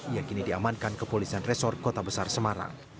yang kini diamankan ke polisian resor kota besar semarang